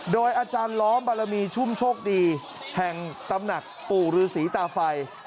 โดยอาจารย์ล้อมบารมีชุ่มโชคดีแห่งตำหนักปู่ฤษีตาไฟ